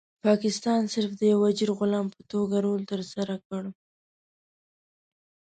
پاکستان صرف د یو اجیر غلام په توګه رول ترسره کړ.